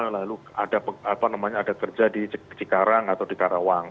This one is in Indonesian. lalu ada kerja di cikarang atau di karawang